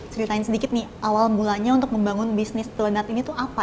ceritain sedikit nih awal mulanya untuk membangun bisnis donat ini tuh apa